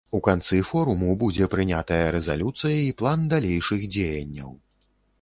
У канцы форуму будзе прынятая рэзалюцыя і план далейшых дзеянняў.